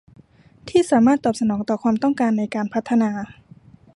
ที่สามารถตอบสนองต่อความต้องการในการพัฒนา